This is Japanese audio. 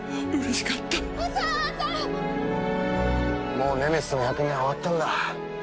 もうネメシスの役目は終わったんだ。